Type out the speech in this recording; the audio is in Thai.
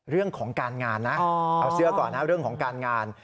เรื่องของการงานนะเอาเสื้อก่อนนะเรื่องของการงาน